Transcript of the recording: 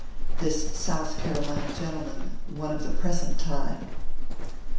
This South Carolina gentleman, One of the present time.